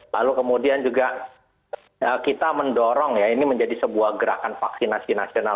lalu kemudian juga kita mendorong ya ini menjadi sebuah gerakan vaksinasi nasional